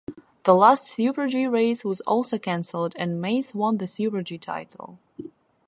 The last super-G race was also cancelled and Maze won the super-G title.